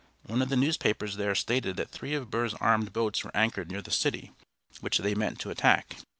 One of the newspapers there stated that three of Burr's armed boats were anchored near the city, which they meant to attack.